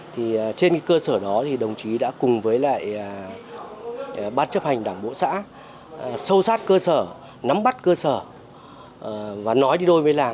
thì trên cơ sở đó thì đồng chí đã cùng với lại ban chấp hành đảng bộ xã sâu sát cơ sở nắm bắt cơ sở và nói đi đôi với làm